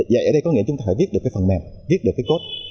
dạy ở đây có nghĩa là chúng ta phải viết được phần mềm viết được code